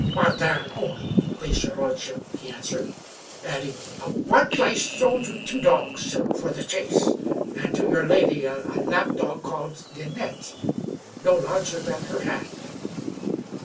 " Martin, only, please your lordship," he answered ; add ing, " once I sold you two dogs, sir, for the chase, and to your lady a lapdog called Ninette no larger than her hand."